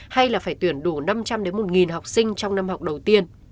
hay là phải tuyển đủ năm trăm linh một nghìn học sinh trong năm học đầu tiên